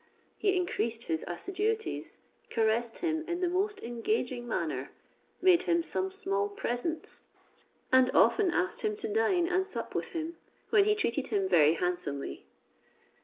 He increased his assiduities, caressed him in the most engaging manner, made him some small presents, and often asked him to dine and sup with him; when he treated him very handsomely.